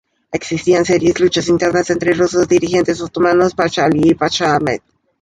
Existían serias luchas internas entre los dos dirigentes otomanos, Pasha Ali y Pasha Ahmed.